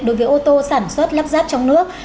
đối với ô tô sản xuất lắp ráp trong nước